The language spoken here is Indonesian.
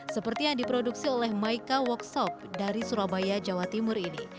seperti yang diproduksi oleh maika workshop dari surabaya jawa timur ini